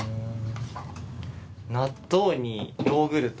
納豆にヨーグルト？